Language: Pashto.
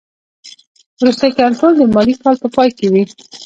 وروستی کنټرول د مالي کال په پای کې وي.